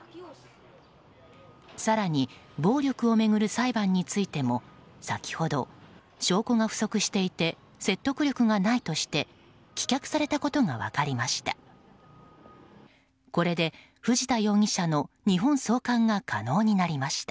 更に暴力を巡る裁判についても先ほど、証拠が不足していて説得力がないとして棄却されたことが分かりました。